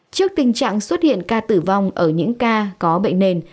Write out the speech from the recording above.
trước tình trạng xuất hiện ca tử vong ở những ca có bệnh nền